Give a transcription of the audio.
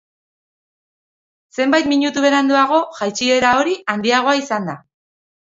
Zenbait minutu beranduago, jaitsiera hori handiagoa izan da.